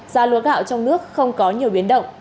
giá lúa gạo trong nước không có nhiều biến động